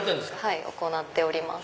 ⁉はい行っております。